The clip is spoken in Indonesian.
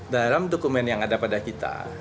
dalam dokumen yang ada pada kita